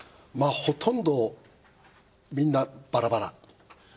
まあほとんどみんなバラバラ。